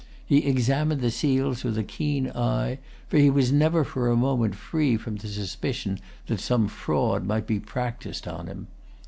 He examined the seals with a keen eye; for he was never for a moment free from the suspicion that some fraud might be practised on him.